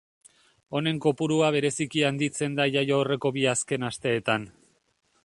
Honen kopurua bereziki handitzen da jaio aurreko bi azken asteetan.